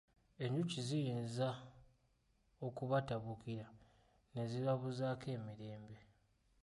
Enjuki ziyinza okubatabukira ne zibabuzaako emirembe.